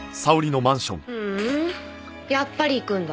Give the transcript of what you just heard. ふーんやっぱり行くんだ。